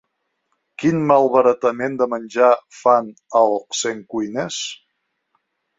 Quin malbaratament de menjar fan al Centcuines?